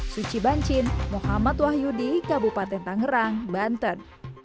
suci bancin muhammad wahyudi kabupaten tangerang banten